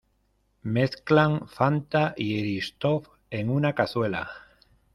Mezclan Fanta y Eristoff en una cazuela.